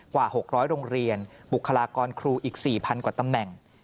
กว่า๖๐๐โรงเรียนบุคลากรครูอีก๔๐๐กว่าตำแหน่ง